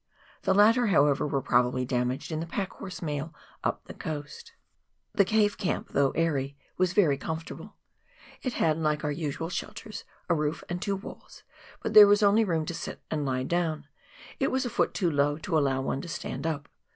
The latter, however, were probably damaged in the pack horse mail up the coast. 1S8 PIONEER WOEK IN THE ALPS OF NEW ZEALA^^D, The cave camp, thougli airy, was very comfortable ; it had — like our usual shelters — a roof and two walls, but there was only room to sit and lie down, it was a foot too low to allow one to stand up.